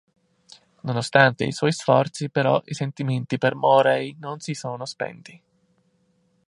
Nonostante i suoi sforzi però i sentimenti per Moray non si sono spenti.